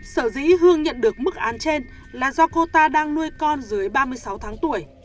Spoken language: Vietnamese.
sở dĩ hương nhận được mức án trên là do cô ta đang nuôi con dưới ba mươi sáu tháng tuổi